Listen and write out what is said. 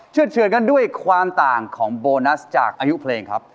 เฉือนกันด้วยความต่างของโบนัสจากอายุเพลงครับ